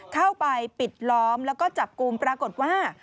เข้าไปปิดล้อมแล้วก็จับกลุ่มปรากฏว่า